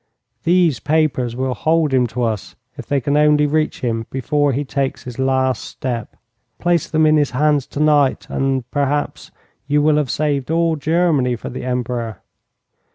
These papers will hold him to us if they can only reach him before he takes the last step. Place them in his hands tonight, and, perhaps, you will have saved all Germany for the Emperor.